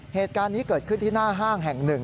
เหตุการณ์นี้เกิดขึ้นที่หน้าห้างแห่งหนึ่ง